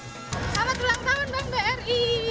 selamat ulang tahun bank bri